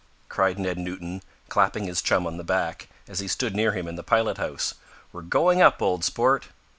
cried Ned Newton, clapping his chum on the back, as he stood near him in the pilot house. "We're going up, old sport!"